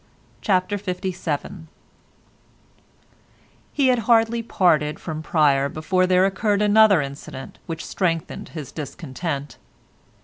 CHAPTER LVII He had hardly parted from Pryer before there occurred another incident which strengthened his discontent.